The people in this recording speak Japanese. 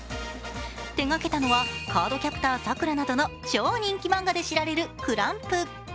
手がけたのは「カードキャプターさくら」などの超人気漫画で知られるＣＬＡＭＰ。